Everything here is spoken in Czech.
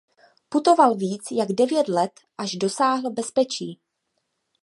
Putoval víc jak devět let až dosáhl bezpečí.